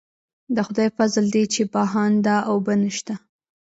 د خدای فضل دی چې بهانده اوبه شته.